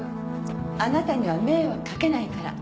あなたには迷惑かけないから。